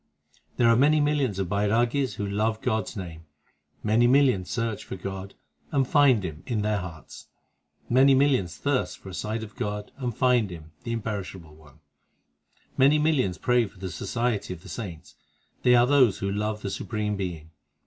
6 There are many millions of Bairagis Who love God s name ; Many millions search for God, And find Him in their hearts ; Many millions thirst for a sight of God, And find Him, the Imperishable One ; Many millions pray for the society of the saints They are those who love the Supreme Being.